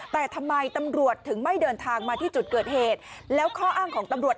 แต่ทำไมตำรวจถึงไม่เดินทางมาที่จุดเกิดเหตุแล้วข้ออ้างของตำรวจ